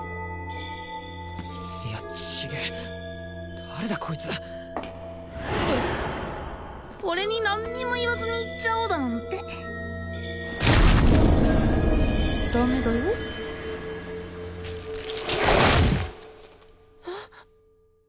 いや違え誰だこいつ俺に何にも言わずに行っちゃおうだなんてダメだよえっ？